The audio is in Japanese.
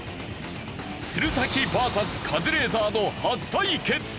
鶴崎ＶＳカズレーザーの初対決！